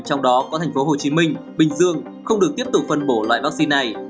trong đó có thành phố hồ chí minh bình dương không được tiếp tục phân bổ loại vaccine này